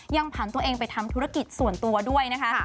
ยังผ่านตัวเองไปทำธุรกิจส่วนตัวด้วยนะคะ